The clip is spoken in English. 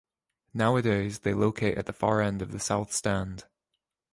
Nowadays they locate at the far end of the South stand.